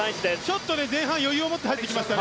ちょっと前半余裕を持って入ってきました。